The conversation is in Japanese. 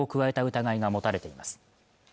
疑いが持たれています